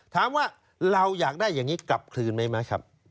ถามว่าเราอยากได้อย่างนี้กลับคืนไหมครับ